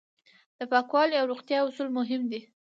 د پاکوالي او روغتیا اصول مهم دي.